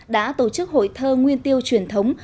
đã tổ chức hội thơ nguyên tiêu truyền thống